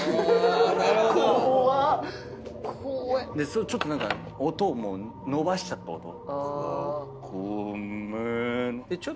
それちょっと何か音も伸ばしちゃった音。